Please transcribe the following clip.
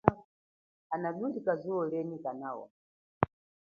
Hanalulika zuwo lienyi kanawa.